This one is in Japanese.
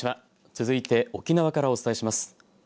続いて沖縄からお伝えします。